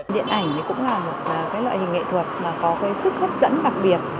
điện ảnh cũng là một loại hình nghệ thuật có sức hấp dẫn đặc biệt